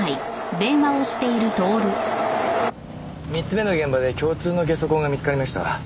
３つ目の現場で共通のゲソ痕が見つかりました。